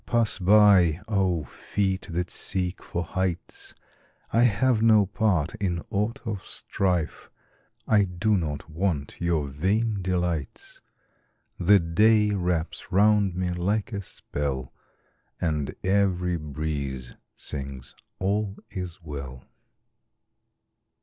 Pass by, oh, feet that seek for heights! I have no part in aught of strife; I do not want your vain delights. The day wraps round me like a spell, And every breeze sings, "All is well."